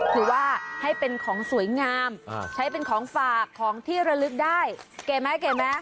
ถือว่าให้เป็นของสวยงามใช้เป็นของฝากของที่ระลึกได้เก๋ไหมเก๋ไหม